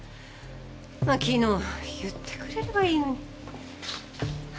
昨日言ってくれればいいのに。